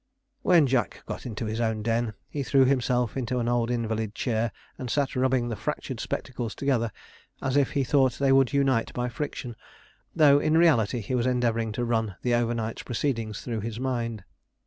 When Jack got into his own den he threw himself into an old invalid chair, and sat rubbing the fractured spectacles together as if he thought they would unite by friction, though in reality he was endeavouring to run the overnight's proceedings through his mind.